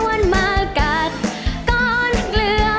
ฉันชวนมากากกร้อนเกลือ